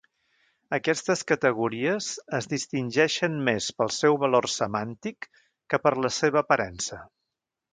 Aquestes categories es distingeixen més pel seu valor semàntic que per la seva aparença.